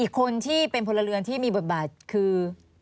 คนที่เป็นพลเรือนที่มีบทบาทคือ